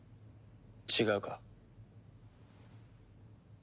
違うか？